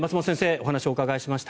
お話をお伺いしました。